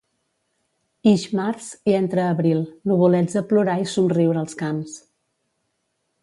Ix març i entra abril, nuvolets a plorar i somriure els camps.